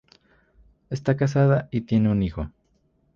Está casada y tiene un hijo.